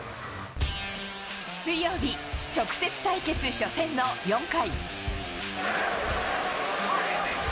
水曜日、直接対決初戦の４回。